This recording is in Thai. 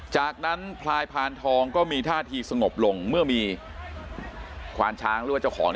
จากนั้นพลายพานทองก็มีท่าทีสงบลงเมื่อมีควานช้างหรือว่าเจ้าของ